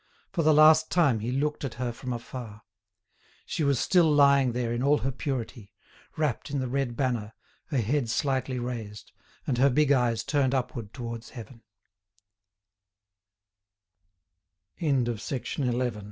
For the last time he looked at her from afar. She was still lying there in all her purity, wrapped in the red banner, her head slightly raised, and her big eyes turned upward towards